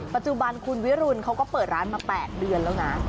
ปัจจุบันคุณวิรุณเขาก็เปิดร้านมา๘เดือนแล้วนะ